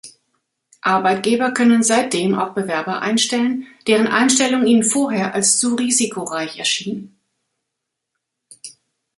Arbeitgeber können seitdem auch Bewerber einstellen, deren Einstellung ihnen vorher als zu risikoreich erschien.